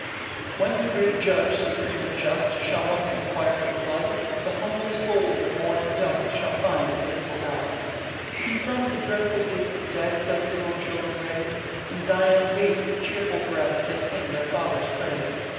1 When the great Judge, supreme and just, Shall once inquire for blood, The humble souls, that mourn in dust, Shall find a faithful God. 2 He from the dreadful gates of death Does his own children raise: In Zion's gates, with cheerful breath, They sing their Father's praise.